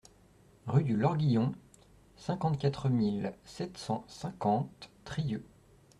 Rue du Lorguillon, cinquante-quatre mille sept cent cinquante Trieux